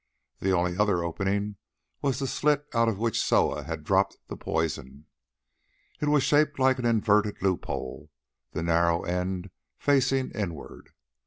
The only other opening was the slit out of which Soa had dropped the poison. It was shaped like an inverted loophole, the narrow end facing inward.